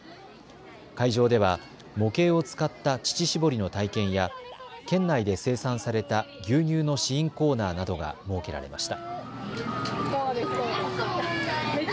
会場では模型を使った乳搾りの体験や県内で生産された牛乳の試飲コーナーなどが設けられました。